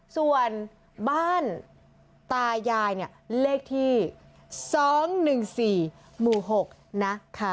ส่วนบ้านตายายเนี่ยเลขที่๒๑๔หมู่๖นะคะ